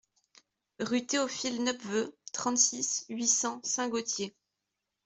Rue Théophile Nepveu, trente-six, huit cents Saint-Gaultier